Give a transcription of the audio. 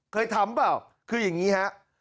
เคยทำเปล่าคืออย่างนี้ฮะ